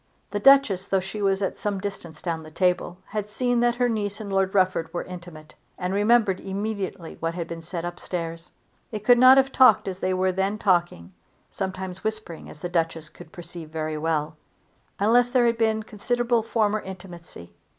The Duchess, though she was at some distance down the table, had seen that her niece and Lord Rufford were intimate, and remembered immediately what had been said up stairs. They could not have talked as they were then talking, sometimes whispering as the Duchess could perceive very well, unless there had been considerable former intimacy.